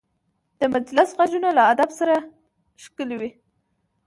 د مجلس غږونه له ادب سره ښکلي وي